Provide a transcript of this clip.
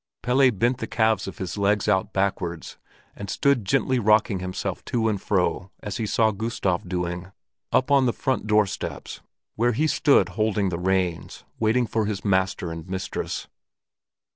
Pelle bent the calves of his legs out backwards, and stood gently rocking himself to and fro as he saw Gustav doing, up on the front door steps, where he stood holding the reins, waiting for his master and mistress.